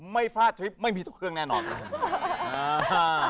ไม่พลาดทริปไม่มีตัวเครื่องแน่นอนนะครับ